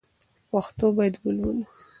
پښتو باید ولولو